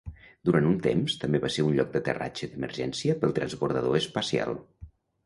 Durant un temps també va ser un lloc d'aterratge d'emergència pel transbordador espacial.